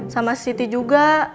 sama siti juga